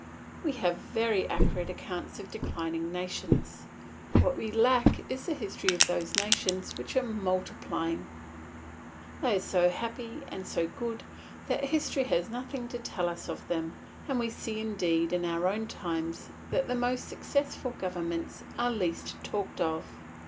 We have very accurate accounts of declining nations; what we lack is the history of those nations which are multiplying; they are so happy and so good that history has nothing to tell us of them; and we see indeed in our own times that the most successful governments are least talked of.